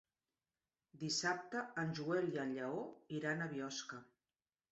Dissabte en Joel i en Lleó iran a Biosca.